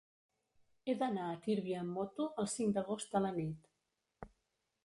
He d'anar a Tírvia amb moto el cinc d'agost a la nit.